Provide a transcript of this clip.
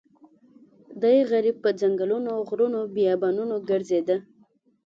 دی غریب په ځنګلونو غرونو بیابانونو ګرځېده.